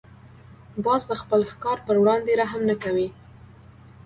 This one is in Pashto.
باز د خپل ښکار پر وړاندې رحم نه کوي